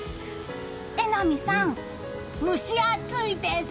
榎並さん、蒸し暑いです！